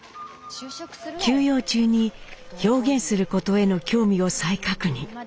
休養中に表現することへの興味を再確認。